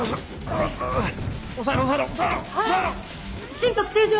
心拍正常！